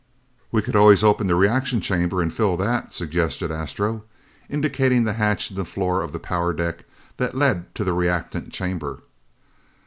"We could always open the reaction chamber and fill that," suggested Astro, indicating the hatch in the floor of the power deck that lead to the reactant chamber.